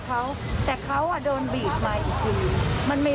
แต่เขาอ่ะโดนบีบมาอีกที